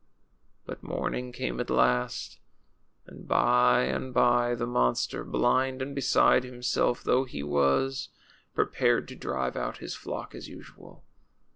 But morning came at last. And by and by the monster, blind and beside himself though he was, pre pared to drive out his flock as usual.